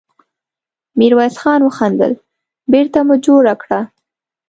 ميرويس خان وخندل: بېرته مو جوړه کړه!